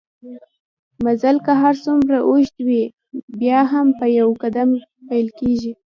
مزل که هرڅومره اوږده وي بیا هم په يو قدم پېل کېږي